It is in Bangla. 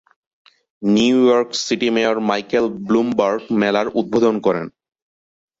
New York City mayor Michael Bloomberg মেলার উদ্বোধন করেন।